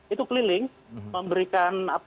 itu keliling memberikan